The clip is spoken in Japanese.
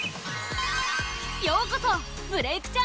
ようこそ「ブレイクッ！」